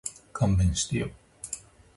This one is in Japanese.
勘弁してよ